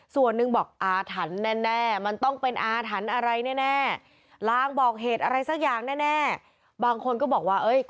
ส่วนหนึ่งบอกอาถรรค์แน่มันต้องเป็นอาถรรค์อะไรแน่